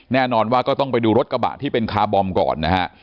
แน่นอนว่าก็ต้องไปดูรถกระบะที่เป็นคาร์บอมก่อนนะฮะ